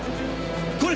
これ！